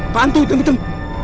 apaan tuh hitam hitam